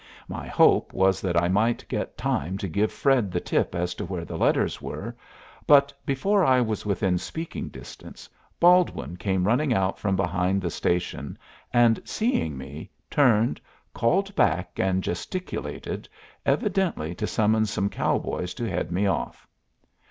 My hope was that I might get time to give Fred the tip as to where the letters were; but before I was within speaking distance Baldwin came running out from behind the station, and, seeing me, turned, called back and gesticulated, evidently to summon some cowboys to head me off.